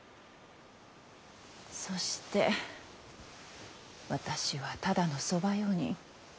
そして私はただの側用人。